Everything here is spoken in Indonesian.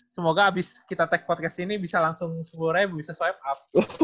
semoga abis kita tag podcast ini bisa langsung sebuah ribu bisa swipe up